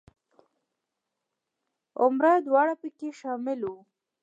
عمره دواړه په کې شامل وو.